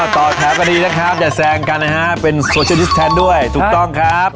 ต่อแถวกันดีนะครับอย่าแซงกันนะฮะเป็นโซเชียลดิสแทนด้วยถูกต้องครับ